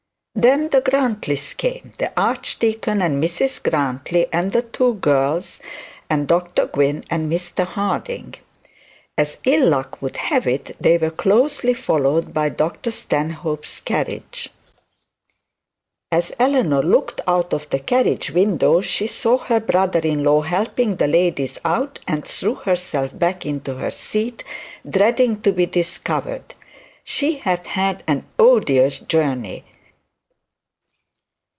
Then the Grantlys came; the archdeacon and Mrs Grantly and the two girls, and Dr Gwynne and Mr Harding; and as ill luck would have it, they were closely followed by Dr Stanhope's carriage. As Eleanor looked out of the carriage window, she saw her brother in law helping the ladies out, and threw herself back into her seat, dreading to be discovered. She had had an odious journey.